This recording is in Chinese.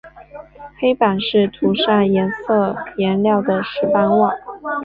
黑板是涂上黑色颜料的石板瓦。